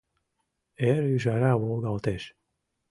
Эр ӱжара волгалтеш.